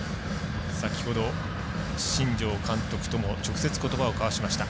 先ほど、新庄監督とも直接ことばを交わしました。